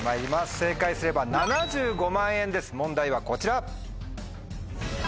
正解すれば７５万円です問題はこちら。